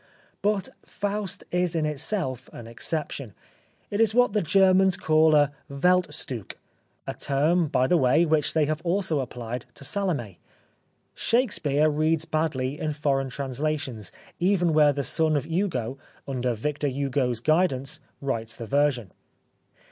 But " Faust " is in itself an exception. It is what the Germans call a " Weltstueck," a term, by the way, which they have also applied to " Salome." Shakespeare reads badly in foreign translations even where the son of Hugo, under Victor Hugo's guidance, writes the version.